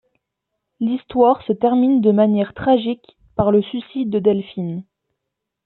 L'histoire se termine de manière tragique par le suicide de Delphine.